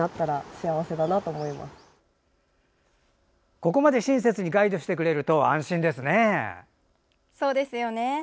ここまで親切にガイドしてくれるとそうですよね。